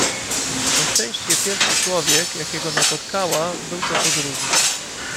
Na szczęście pierwszy człowiek, jakiego napotkała, był to podróżny.